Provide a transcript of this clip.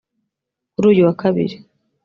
Kuri uyu wa Kabiri